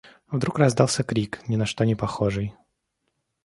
Вдруг раздался крик, ни на что не похожий.